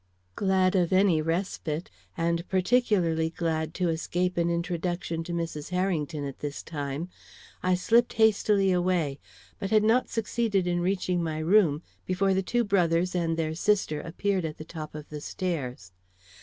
Glad of any respite, and particularly glad to escape an introduction to Mrs. Harrington at this time, I slipped hastily away, but had not succeeded in reaching my room before the two brothers and their sister appeared at the top of the stairs.